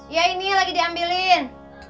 ya ini lagi diambilin